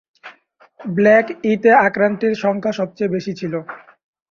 Block ই-তে আক্রান্তের সংখ্যা সবচেয়ে বেশী ছিল।